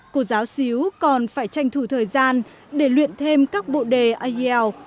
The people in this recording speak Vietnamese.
cô giáo xíu còn phải tranh thủ thời gian để luyện thêm các bộ đề ielts